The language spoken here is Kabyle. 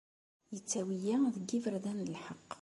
Ittawi-yi deg yiberdan n lḥeqq.